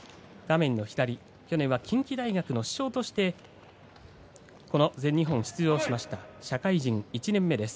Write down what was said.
画面左、去年は近畿大学の主将としてこの全日本に出場しました社会人１年目です。